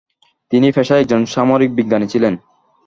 তিনি পেশায় একজন সামরিক বিজ্ঞানী ছিলেন।